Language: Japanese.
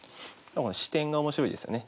視点が面白いですよね。